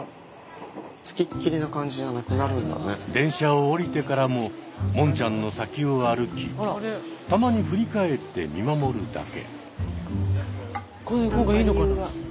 電車を降りてからももんちゃんの先を歩きたまに振り返って見守るだけ。